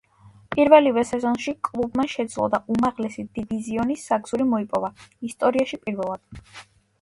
პირველივე სეზონში კლუბმა შეძლო და უმაღლესი დივიზიონის საგზური მოიპოვა, ისტორიაში პირველად.